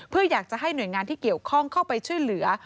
เพื่ออยากจะให้หน่วยงานที่เกี่ยวข้องเข้าไปช่วยเหลือ